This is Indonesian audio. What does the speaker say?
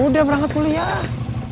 udah berangkat kuliah